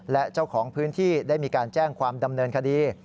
และเจ้าของพื้นที่ได้มีการแจ้งความดำเนินคดี